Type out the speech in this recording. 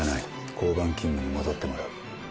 交番勤務に戻ってもらう」